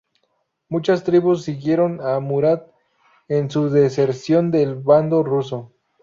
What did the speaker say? Muchas tribus siguieron a Murad en su deserción del bando ruso.